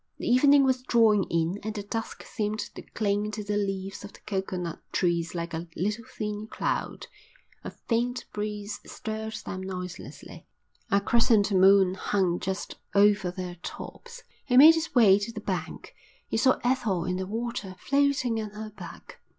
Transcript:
The evening was drawing in and the dusk seemed to cling to the leaves of the coconut trees like a little thin cloud. A faint breeze stirred them noiselessly. A crescent moon hung just over their tops. He made his way to the bank. He saw Ethel in the water floating on her back.